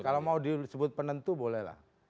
kalau mau disebut penentu bolehlah